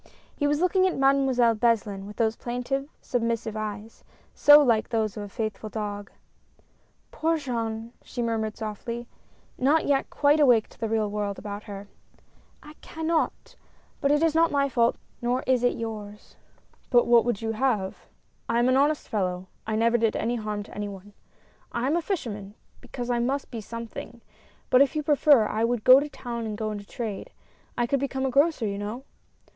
He was looking at Mademoiselle Beslin with those plaintive, submissive eyes, so like those of a faithful dog. D K E A M S . 43 "Poor Jean!" she murmured softly — not yet quite awake to the real world about her — "I can not I but it is not my fault, nor is it yours." " But what would you have ? I am an honest fellow, I never did any harm to any one ; I am a fisherman, because I must be something, but if you prefer, I would go to town and go into trade. I could become a grocer, you know."